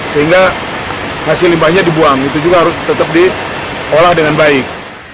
sehingga hasil limbahnya dibuang itu juga harus tetap diolah dengan baik